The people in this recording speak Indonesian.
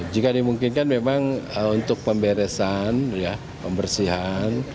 jika dimungkinkan memang untuk pemberesan pembersihan